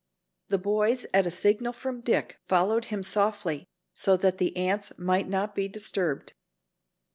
The boys at a signal from Dick followed him softly, so that the ants might not be disturbed.